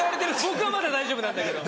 僕はまだ大丈夫なんだけど。